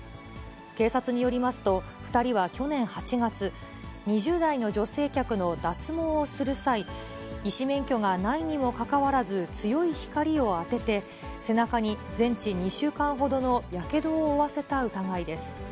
警察によりますと、２人は去年８月、２０代の女性客の脱毛をする際、医師免許がないにもかかわらず、強い光を当てて、背中に全治２週間ほどのやけどを負わせた疑いです。